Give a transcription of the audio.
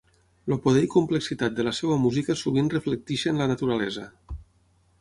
El poder i complexitat de la seva música sovint reflecteixen la naturalesa.